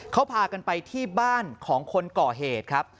เขาพากันไปที่บ้านของคนก่อเหตุครับ